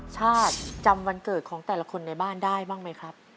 ชาติจำวันเกิดของแต่ละคนในบ้านได้บ้างไหมครับ